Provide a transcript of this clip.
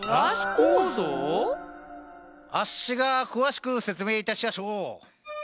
あっしが詳しく説明いたしやしょう。